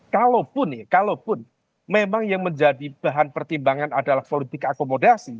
kalaupun ya kalaupun memang yang menjadi bahan pertimbangan adalah politik akomodasi